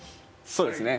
そうですね